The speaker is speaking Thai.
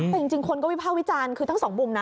แต่จริงคนก็วิภาควิจารณ์คือทั้งสองมุมนะ